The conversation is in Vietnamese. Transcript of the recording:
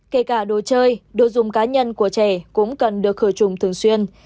kể cả đồ chơi đồ dùng cá nhân của trẻ cũng cần được khởi trùng thường xuyên